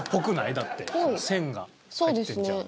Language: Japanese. だって線が入ってるじゃん。